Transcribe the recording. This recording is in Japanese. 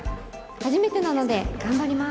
初めてなので頑張ります。